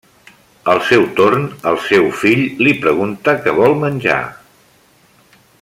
Al seu torn, el seu fill li pregunta què vol menjar.